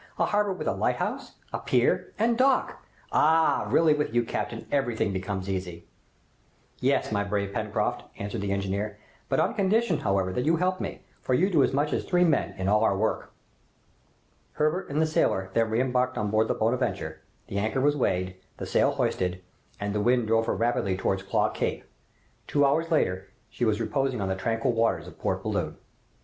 "A harbor with a lighthouse, a pier, and dock! Ah! really with you, captain, everything becomes easy." "Yes, my brave Pencroft," answered the engineer, "but on condition, however, that you help me, for you do as much as three men in all our work." Herbert and the sailor then re embarked on board the "Bonadventure," the anchor was weighed, the sail hoisted, and the wind drove her rapidly towards Claw Cape. Two hours after, she was reposing on the tranquil waters of Port Balloon.